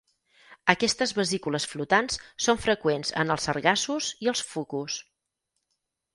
Aquestes vesícules flotants són freqüents en els sargassos i els fucus.